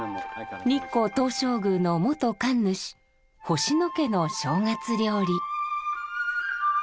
日光東照宮の元神主星野家の正月料理。